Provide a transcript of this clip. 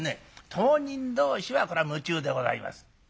当人同士はこれは夢中でございます。